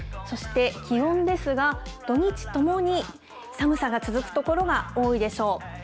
そして気温ですが、土日ともに寒さが続く所が多いでしょう。